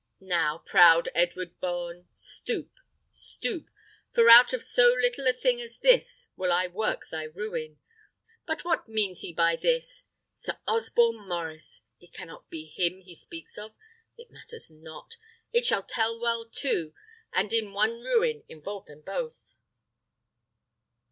Now, proud Edward Bohun, stoop! stoop! for out of so little a thing as this will I work thy ruin. But what means he by this? Sir Osborne Maurice! It cannot be him he speaks of. It matters not; it shall tell well, too, and in one ruin involve them both.